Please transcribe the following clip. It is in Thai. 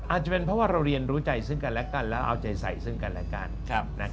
อาจจะเป็นเพราะว่าเราเรียนรู้ใจซึ่งกันและกันแล้วเอาใจใส่ซึ่งกันและกัน